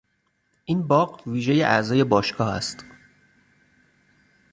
این باغ ویژهی اعضای باشگاه است.